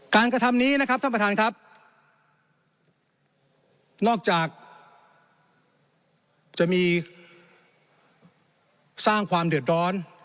กระทำนี้นะครับท่านประธานครับนอกจากจะมีสร้างความเดือดร้อน